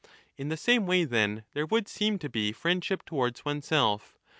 In the same way then 30 lere would seem to be friendship towards oneself.